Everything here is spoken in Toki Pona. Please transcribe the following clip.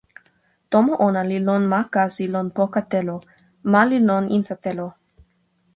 tomo ona li lon ma kasi lon poka telo. ma li lon insa telo.